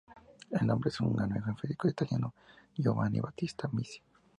El nombre es un homenaje al físico italiano Giovanni Battista Amici.